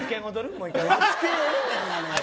もう１回。